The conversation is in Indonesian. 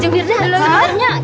jeng firda halo lelaki